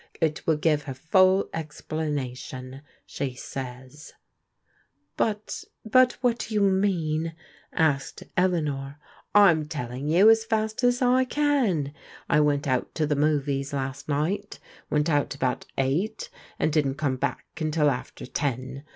It wiD giTe ber foil rxptanation,* she ''But— but \lliat do too mean?" asked Elea nor. " Fm tdlix^ TOO as fost as I can. I vrcnt out to the movies last nighL Went out about eight and didn't come back until after ten.